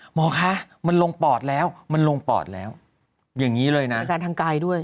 หมอคะมันลงปอดแล้วมันลงปอดแล้วอย่างนี้เลยนะมีอาการทางกายด้วย